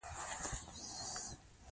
دوی به دښمن ته ټینګ ولاړ وي.